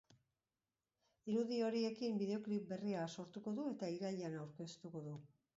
Irudi horiekin bideoklip berria sortuko du, eta irailean aurkeztuko du.